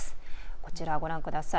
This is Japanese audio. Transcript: こちらご覧ください。